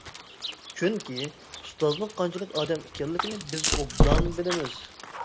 چۈنكى ئۇستازنىڭ قانچىلىك ئادەم ئىكەنلىكىنى بىز ئوبدان بىلىمىز.